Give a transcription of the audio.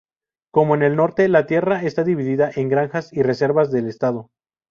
Como en el norte, la tierra está dividida en granjas y reservas del Estado.